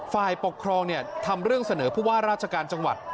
ฝ่ายปกครองทำเรื่องเสนอผู้ว่าราชการจังหวัด